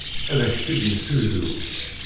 Ad ak-tt-id-nessegzu.